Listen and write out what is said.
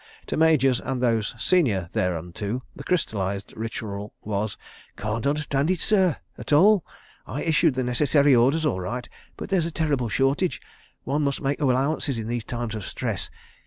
To Majors and those senior thereunto the crystallised ritual was: "Can't understand it, sir, at all. I issued the necessary orders all right—but there's a terrible shortage. One must make allowances in these times of stress.